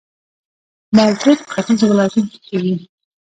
مالټې په ختیځو ولایتونو کې کیږي